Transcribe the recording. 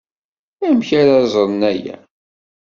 Amek ara ẓren aya?